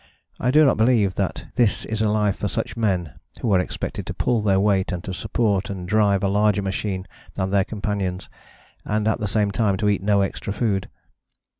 I do not believe that this is a life for such men, who are expected to pull their weight and to support and drive a larger machine than their companions, and at the same time to eat no extra food.